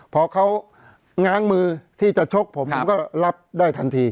พอเขาง้างมือที่จะชกผมผมก็รับได้ทันที